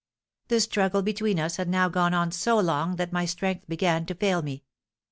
"The struggle between us had now gone on so long that my strength began to fail me.